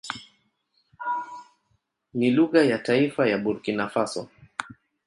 Ni lugha ya taifa ya Burkina Faso.